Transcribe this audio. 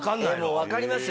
分かりますよ